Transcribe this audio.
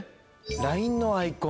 ＬＩＮＥのアイコン